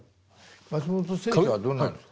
松本清張はどんなんですか？